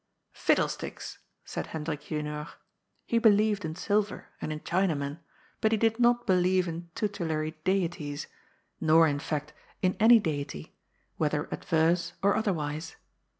" Fiddlesticks !" said Hendrik Junior. He believed in silver, and in Chinamen, but he did not believe in tutelary * deities, nor, in fact, in any deity, whether adverse or other wise.